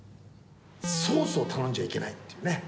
ソースを頼んじゃいけないっていうね。